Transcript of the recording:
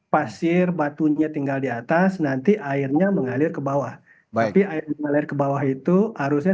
pasir batunya tinggal di atas nanti airnya mengalir ke bawah tapi air mengalir ke bawah itu arusnya